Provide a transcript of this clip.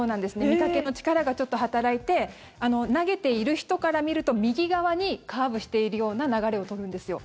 見かけの力がちょっと働いて投げている人から見ると右側にカーブしているような流れを取るんですよ。